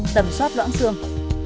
tầm soát loãng xương